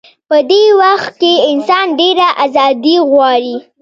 په دې وخت کې انسان ډېره ازادي غواړي.